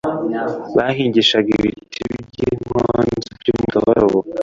Bahingishaga ibiti by’inkonzo by’umutobotobo.